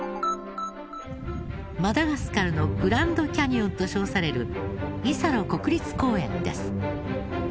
マダガスカルのグランドキャニオンと称されるイサロ国立公園です。